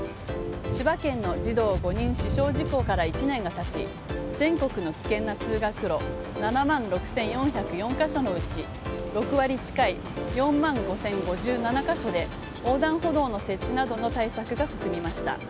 千葉県の児童５人死傷事故から１年が経ち全国の危険な通学路７万６４０４か所のうち６割近い４万５０５７か所で横断歩道の設置などの対策が進みました。